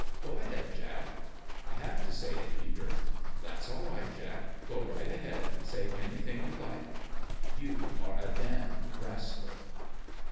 " Go ahead, Jack." " I have to say it, Peter." " That's all right, Jack. Go right ahead. Say anything you like." " You are a damned rascal